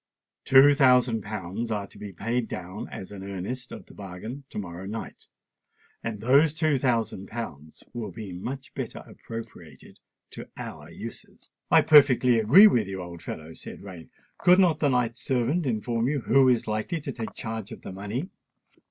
Two thousand pounds are to be paid down as an earnest of the bargain to morrow night; and those two thousand pounds will be much better appropriated to our uses." "I perfectly agree with you, old fellow," said Rain. "Could not the knight's servant inform you who is likely to take charge of the money?"